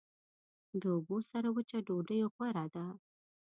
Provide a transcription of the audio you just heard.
د اوبو سره وچه ډوډۍ غوره ده.